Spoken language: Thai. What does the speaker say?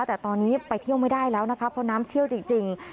แต่ตอนนี้ไปเที่ยวไม่ได้แล้วนะคะเพราะน้ำเชี่ยวจริง